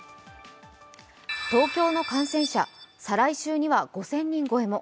東京の感染者、再来週には５０００人超えも。